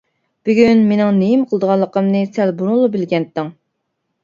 بۈگۈن مېنىڭ نېمە قىلىدىغانلىقىمنى سەن بۇرۇنلا بىلەتتىڭ.